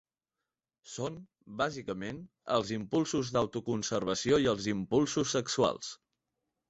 Són, bàsicament, els impulsos d'autoconservació i els impulsos sexuals.